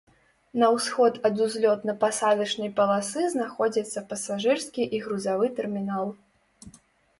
На ўсход ад узлётна-пасадачнай паласы знаходзіцца пасажырскі і грузавы тэрмінал.